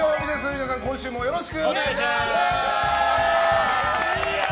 皆さん、今週もよろしくお願いします！